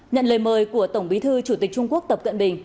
nhận lời mời của tổng bí thư chủ tịch trung quốc tập cận bình